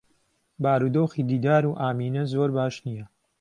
بارودۆخی دیدار و ئامینە زۆر باش نییە.